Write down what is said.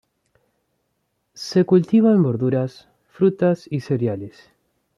Se cultivan verduras, frutas y cereales.